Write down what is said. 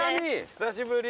久しぶり